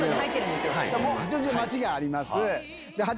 八王子の町があります。